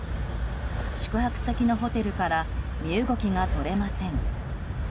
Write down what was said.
宿泊先のホテルから身動きが取れません。